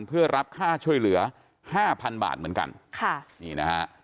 เพื่อรับค่าช่วยเหลือห้าพันบาทเหมือนกันค่ะนี่นะฮะ